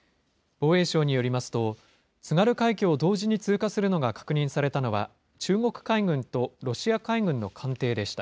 防衛省によりますと、津軽海峡を同時に通過するのが確認されたのは、中国海軍とロシア海軍の艦艇でした。